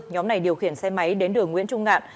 nhóm này điều khiển xe máy đến đường nguyễn trung ngạn